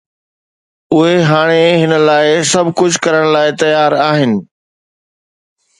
اهي هاڻي هن لاءِ سڀ ڪجهه ڪرڻ لاءِ تيار آهن.